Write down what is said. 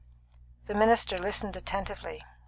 The minister listened attentively.